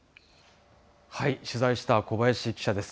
取材した小林記者です。